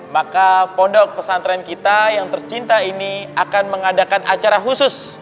maka pondok pesantren kita yang tercinta ini akan mengadakan acara khusus